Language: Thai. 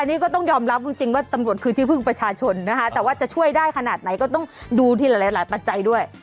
อันนี้ก็ต้องยอมรับจริงว่าตำรวจคือที่พึ่งประชาชนนะคะแต่ว่าจะช่วยได้ขนาดไหนก็ต้องดูที่หลายหลายปัจจัยด้วย